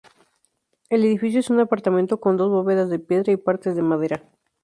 El edificio es una apartamento con dos bóvedas de piedra y partes de madera.